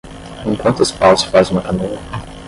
Com quantos paus se faz uma canoa?